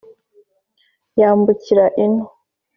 yambukira ino.